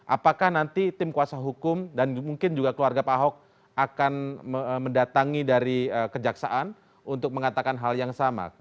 apakah nanti tim kuasa hukum dan mungkin juga keluarga pak ahok akan mendatangi dari kejaksaan untuk mengatakan hal yang sama